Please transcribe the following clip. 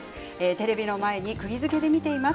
テレビの前にくぎづけで見ています